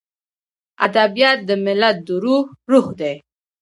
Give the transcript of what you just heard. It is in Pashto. ادبیات د ملت د روح روح دی.